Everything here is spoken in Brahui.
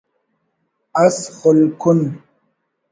اس خلکُن